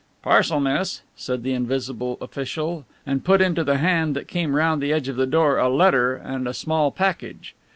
"Parcel, miss," said the invisible official, and put into the hand that came round the edge of the door a letter and a small package.